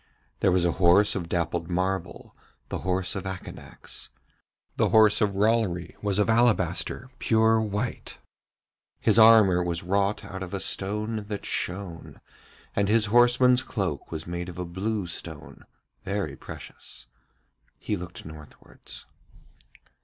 There was a horse of dappled marble, the horse of Akanax. The horse of Rollory was of alabaster, pure white, his armour was wrought out of a stone that shone, and his horseman's cloak was made of a blue stone, very precious. He looked northwards.